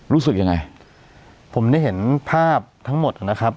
รู้สึกยังไงผมได้เห็นภาพทั้งหมดนะครับ